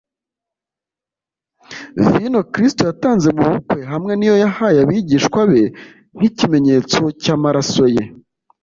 Vino Kristo yatanze mu bukwe, hamwe n’iyo yahaye abigishwa be nk’ikimenyetso cy’amaraso ye,